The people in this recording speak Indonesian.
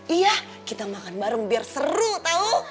iya kita makan bareng biar seru tau